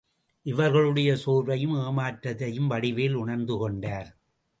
இவர்களுடைய சோர்வையும் ஏமாற்றத்தையும் வடிவேல் உணர்ந்துகொண்டார்.